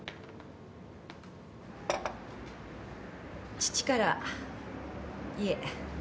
父からいえ